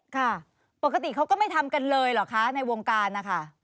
ค่ะปกติเขาก็ไม่ทำกันเลยเหรอคะในวงการนะคะ